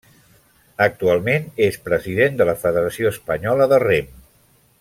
Actualment és president de la Federació Espanyola de rem.